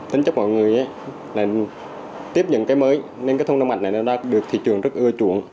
tính chấp mọi người là tiếp nhận cây mới nên cái thông đông mạch này nó đã được thị trường rất ưa chuộng